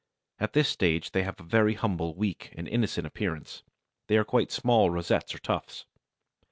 At this stage they have a very humble, weak, and innocent appearance: they are quite small rosettes or tufts.